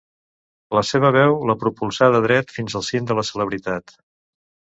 La seva veu la propulsà de dret fins al cim de la celebritat.